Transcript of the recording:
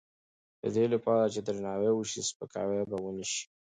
د دې لپاره چې درناوی وشي، سپکاوی به ونه شي.